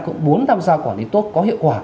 cũng muốn tham gia quản lý tốt có hiệu quả